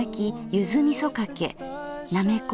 ゆずみそかけなめこ